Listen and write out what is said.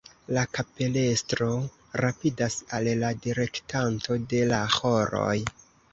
La kapelestro rapidas al la direktanto de la ĥoroj.